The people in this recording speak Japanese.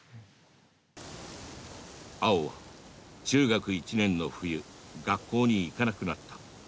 あおは中学１年の冬学校に行かなくなった。